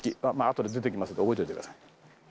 あとで出てきますので覚えといてください。